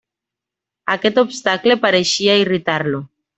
Aquest obstacle pareixia irritar-lo.